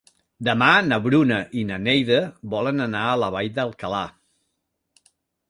Demà na Bruna i na Neida volen anar a la Vall d'Alcalà.